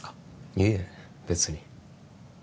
いいえ別に